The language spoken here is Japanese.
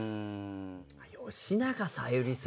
吉永小百合さん。